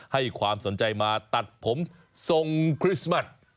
ให้ความสนใจมาตัดผมทรงคริสต์มัส